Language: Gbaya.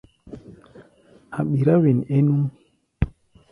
A̧ ɓirá wen é núʼm.